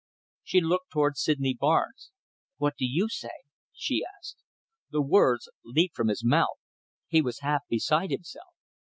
She looked towards Sydney Barnes. "What do you say?" she asked. The words leaped from his mouth. He was half beside himself.